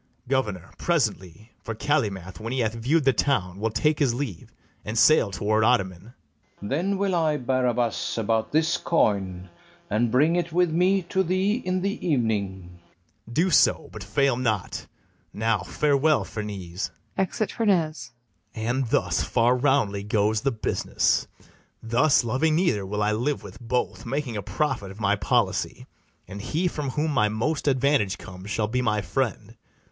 BARABAS. Governor, presently; For Calymath, when he hath view'd the town, Will take his leave, and sail toward Ottoman. FERNEZE. Then will I, Barabas, about this coin, And bring it with me to thee in the evening. BARABAS. Do so; but fail not: now farewell, Ferneze: [Exit FERNEZE.] And thus far roundly goes the business: Thus, loving neither, will I live with both, Making a profit of my policy; And he from whom my most advantage comes, Shall be my friend.